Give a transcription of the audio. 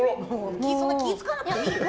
そんな気を使わなくていいよ。